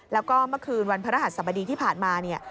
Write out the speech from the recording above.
แล้วก็เมื่อคืนวันพระรหัสสบดีที่ผ่านมาเนี่ย